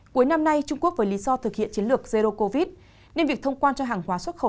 cuối năm nay trung quốc với lý do thực hiện chiến lược zero covid nên việc thông quan cho hàng hóa xuất khẩu